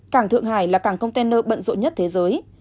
cảng thượng hải là cảng container bận rộn nhất thế giới